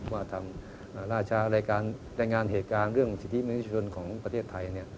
ว่าจะทำรายงานเหตุการณ์สิทธิบัญชาชนของประเทศไทย